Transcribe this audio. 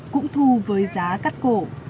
cũng thu với giá cắt cổ